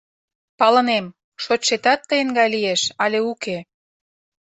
— Палынем, шочшетат тыйын гай лиеш але уке.